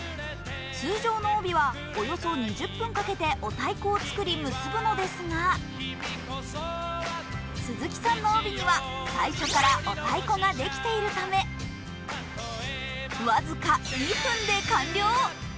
通常の帯はおよそ２０分かけておたいこを作り結ぶのですが、鈴木さんの帯には最初からお太鼓ができているため僅か２分で完了。